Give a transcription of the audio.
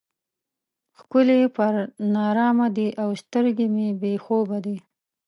ښکلي پر نارامه دي او سترګې مې بې خوبه دي.